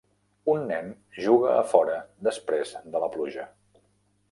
Un nen juga afora després de la pluja.